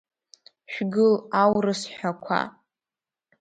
Шәгыл, аурыс ҳәақәа!